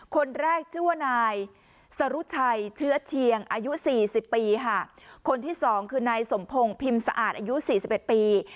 คนแรกชื่อว่านายสรุชัยเชื้อเชียงอายุสี่สิบปีค่ะคนที่สองคือนายสมพงศ์พิมพ์สะอาดอายุสี่สิบเอ็ดปี